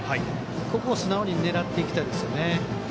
ここを素直に狙っていきたいです。